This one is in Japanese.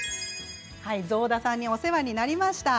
造田さんにお世話になりました。